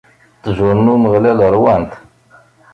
Ttjur n Umeɣlal ṛwant.